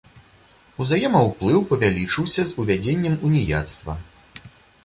Узаемаўплыў павялічыўся з увядзеннем уніяцтва.